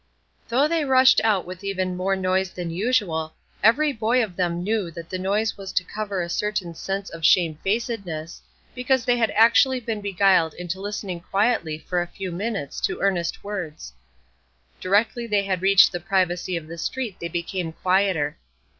Though they rushed out with even more noise than usual, every boy of them knew that the noise was to cover a certain sense of shame facedness, because they had actually been beguiled into listening quietly for a few minutes to earnest words. Directly they had reached the privacy of the street they became quieter.